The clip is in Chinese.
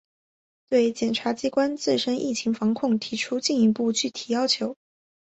对检察机关自身疫情防控提出进一步具体要求